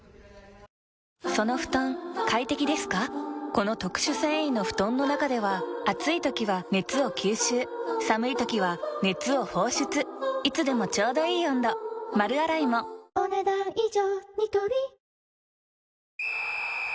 この特殊繊維の布団の中では暑い時は熱を吸収寒い時は熱を放出いつでもちょうどいい温度丸洗いもお、ねだん以上。